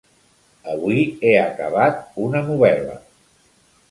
Avui he acabat una novel·la.